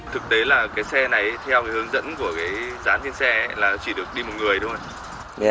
thực tế là cái xe này theo hướng dẫn của cái dán trên xe ấy là chỉ được đi một người đúng không ạ